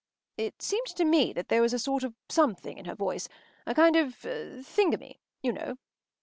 ” It seemed to me that there was a sort of something in her voice, a kind of thingummy, you know.